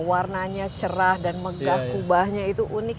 warnanya cerah dan megah kubahnya itu unik